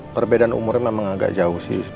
perbedaan umurnya memang agak jauh sih